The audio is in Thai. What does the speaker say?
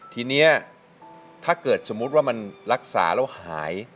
ทีนี้ถ้าเกิดสมมุติว่ามันรักษาแล้วหาย